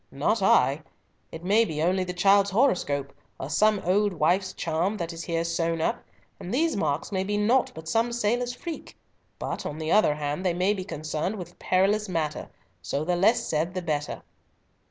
"Not I. It may be only the child's horoscope, or some old wife's charm that is here sewn up, and these marks may be naught but some sailor's freak; but, on the other hand, they may be concerned with perilous matter, so the less said the better."